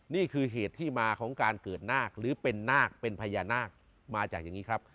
นี่คือเหตุที่มาของการเกิดนาคหรือเป็นนาคเป็นพญานาคมาจากอย่างนี้ครับ